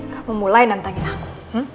kamu mulai nantangin aku